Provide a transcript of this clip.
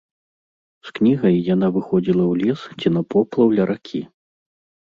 З кнігай яна выходзіла ў лес ці на поплаў ля ракі.